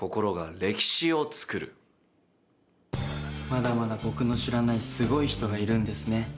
まだまだ僕の知らないすごい人がいるんですね。